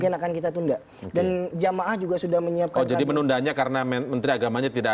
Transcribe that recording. hitung hitungnya sudah cukup tidak